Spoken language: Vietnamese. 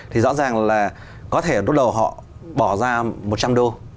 thì rõ ràng là có thể lúc đầu họ bỏ ra một trăm linh đô